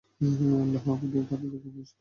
আল্লাহ তার হৃদয়কে উন্মোচিত করে দিলেন।